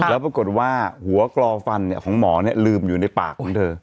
แล้วปรากฏว่าหัวกรอฟันของหมอลืมอยู่ในปากของเธอ